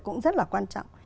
cũng rất là quan trọng